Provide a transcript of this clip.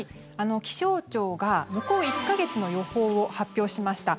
気象庁が向こう１か月の予報を発表しました。